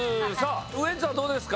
ウエンツはどうですか？